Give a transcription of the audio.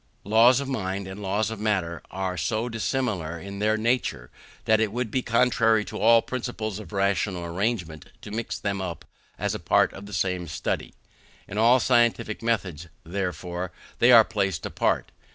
Laws of mind and laws of matter are so dissimilar in their nature, that it would be contrary to all principles of rational arrangement to mix them up as part of the same study. In all scientific methods, therefore, they are placed apart.